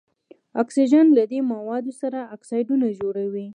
اکسیجن له دې موادو سره اکسایدونه جوړوي.